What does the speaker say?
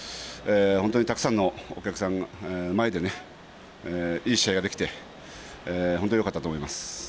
本当にたくさんのお客さんの前でいい試合ができて本当によかったと思います。